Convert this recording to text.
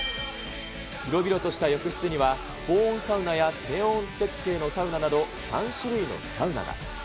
広々とした浴室には、高温サウナや低温設定のサウナなど、３種類のサウナが。